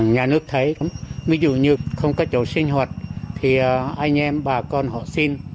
nhà nước thấy ví dụ như không có chỗ sinh hoạt thì anh em bà con họ xin